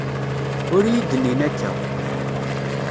Ur iyi-d-nnin akka.